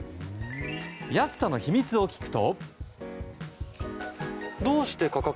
安さの秘密を聞くと。